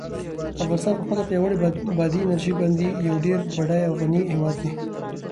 افغانستان په خپله پیاوړې بادي انرژي باندې یو ډېر بډای او غني هېواد دی.